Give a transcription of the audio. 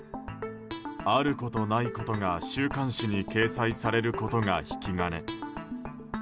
あることないことが週刊誌に掲載されることが引き金。